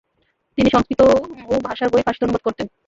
তিনি সংষ্কৃত ও ভাষার বই ফার্সিতে অনুবাদ করতেন।